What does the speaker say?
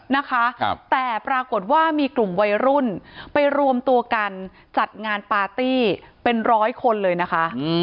นะคะแต่ปรากฏว่ามีกลุ่มวัยรุ่นไปรวมตัวกันจัดงานปาร์ตี้เป็นร้อยคนเลยนะคะ